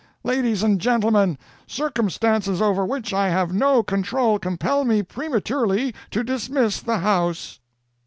Ladies and gentlemen, circumstances over which I have no control compel me prematurely to dismiss the house.'"